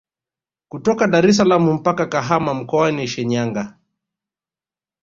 Kutoka Daressalaam mpaka Kahama mkoani Shinyanga